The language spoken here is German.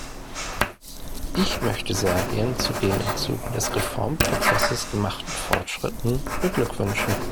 Ich möchte Serbien zu den im Zuge des Reformprozesses gemachten Fortschritten beglückwünschen.